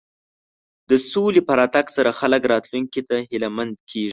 د سولې په راتګ سره خلک راتلونکي ته هیله مند کېږي.